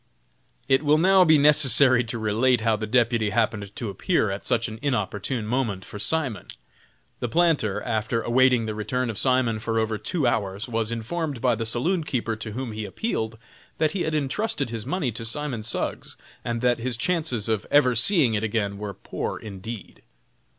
It will now be necessary to relate how the deputy happened to appear at such an inopportune moment for Simon. The planter, after awaiting the return of Simon for over two hours, was informed by the saloon keeper to whom he appealed, that he had entrusted his money to Simon Suggs, and that his chances of ever seeing it again were poor indeed.